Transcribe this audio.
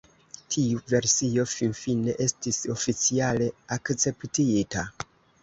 Tiu versio finfine estis oficiale akceptita.